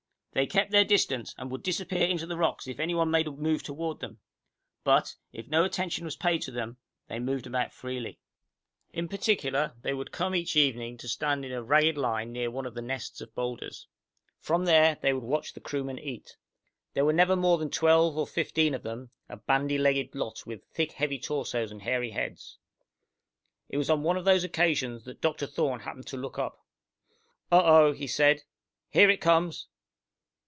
They kept their distance, and would disappear into the rocks if anyone made a move toward them, but, if no attention was paid them, they moved about freely. In particular, they would come, each evening, to stand in a ragged line near one of the nests of boulders. From there, they would watch the crewmen eat. There were never more than twelve or fifteen of them, a bandy legged lot, with thick, heavy torsos, and hairy heads. It was on one of these occasions that Dr. Thorne happened to look up. "Oh, oh!" he said. "Here it comes!"